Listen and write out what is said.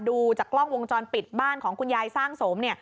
ดูจากกล้องวงจรปิดบ้านของคุณยายสร้างสมเนี่ย